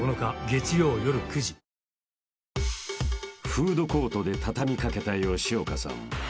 ［フードコートで畳み掛けた吉岡さん］